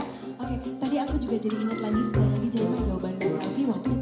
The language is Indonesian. oke tadi aku juga jadi ingat lagi sudah lagi jawaban dari sofi